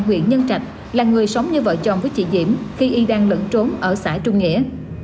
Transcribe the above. huyện nhân trạch là người sống như vợ chồng với chị diễm khi y đang lẫn trốn ở xã trung nghĩa